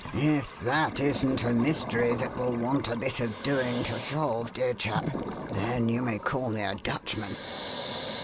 If that isn't a mystery that will want a bit of doing to solve, dear chap, then you may call me a Dutchman."